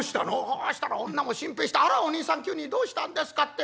「そうしたら女も心配して『あらおにいさん急にどうしたんですか？』